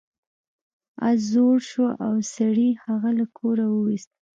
اس زوړ شو او سړي هغه له کوره وویست.